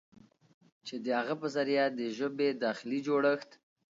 چې د هغه په ذريعه د ژبې داخلي جوړښت